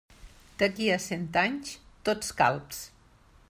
D'aquí a cent anys tots calbs.